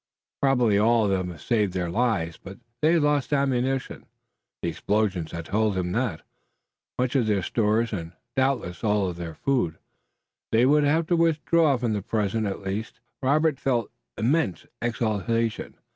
Probably all of them had saved their lives, but they had lost ammunition the explosions had told him that much of their stores, and doubtless all of their food. They would have to withdraw, for the present at least. Robert felt immense exultation.